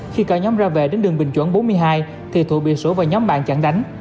khi cả nhóm ra về đến đường bình chuẩn bốn mươi hai thì thụ bị sửu và nhóm bạn chẳng đánh